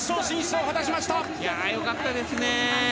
良かったですね。